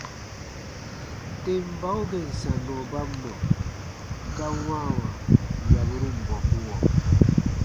Tem bau gèn sannɔ ba mɔ̀ ga wãawa yaburun bɔkuɔ.